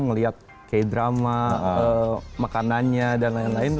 ngelihat k drama makanannya dan lain lain